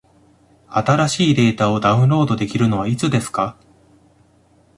新しいデータをダウンロードできるのはいつですか？